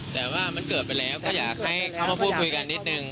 แต่ว่ามันเกิดไปแล้วก็อยากให้เขามาพูดคุยกันนิดนึง